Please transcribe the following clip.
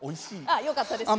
ああよかったです。